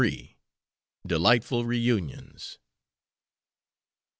DELIGHTFUL REUNIONS.